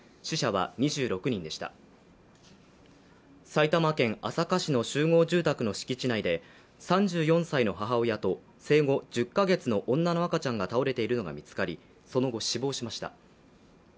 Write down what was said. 埼玉県朝霞市の集合住宅の敷地内で３４歳の母親と生後１０カ月の女の赤ちゃんが倒れているのが見つかりその後、死亡しました。